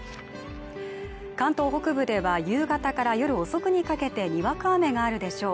関東北部では夕方から夜遅くにかけてにわか雨があるでしょう